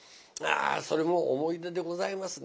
それも思い出でございますね。